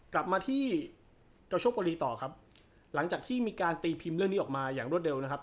กลับมาที่เจ้าชกบุรีต่อครับหลังจากที่มีการตีพิมพ์เรื่องนี้ออกมาอย่างรวดเร็วนะครับ